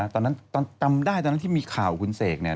ตอนนั้นตอนจำได้ตอนนั้นที่มีข่าวคุณเสกเนี่ย